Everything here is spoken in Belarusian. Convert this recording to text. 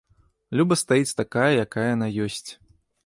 Люба стаіць такая, якая яна ёсць.